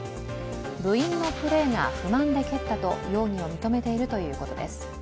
部員のプレーが不満で蹴ったと容疑を認めているということです。